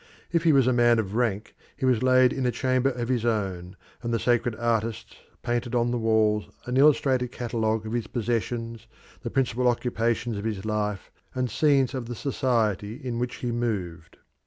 If he was a man of rank he was laid in a chamber of his own, and the sacred artists painted on the walls an illustrated catalogue of his possessions, the principal occupations of his life, and scenes of the society in which he moved.